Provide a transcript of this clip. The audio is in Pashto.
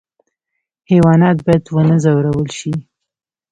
حیوانات باید ونه ځورول شي